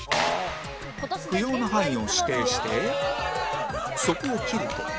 不要な範囲を指定してそこを切ると